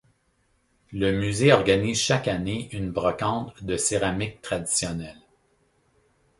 Le musée organise chaque année une brocante de céramiques traditionnelles.